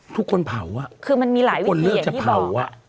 ทุกคนจะเผา